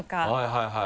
はいはい。